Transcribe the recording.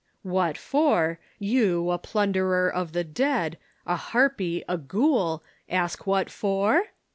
"'What for? You, a plunderer of the dead, a harpy, a ghoul, ask what for?'